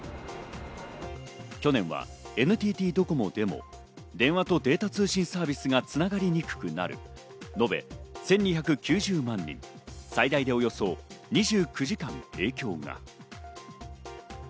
去年はＮＴＴドコモでも電話とデータ通信サービスが繋がりにくくなり、延べ１２９０万人、最大でおおよそ２９時間、影響が。